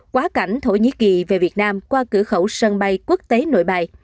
quá cảnh thổ nhĩ kỳ về việt nam qua cửa khẩu sân bay quốc tế nội bài